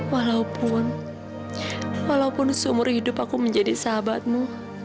walaupun walaupun seumur hidup aku menjadi sahabatmu